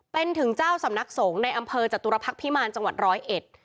เป็นถึงเจ้าสำนักสงฆ์ในอำเภอจตุรพักษ์พิมารจังหวัดร้อยเอ็ด